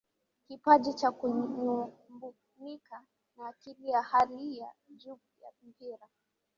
kipaji cha kunyumbulika na akili ya hali ya juu ya mpira